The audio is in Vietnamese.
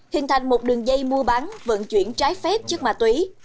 hình thành một đường dây mua bán vận chuyển trái phép chất ma túy